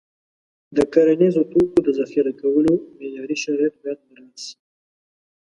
د کرنیزو توکو د ذخیره کولو معیاري شرایط باید مراعت شي.